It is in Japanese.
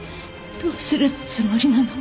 どうするつもりなの？